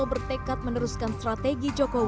bertekad meneruskan strategi jokowi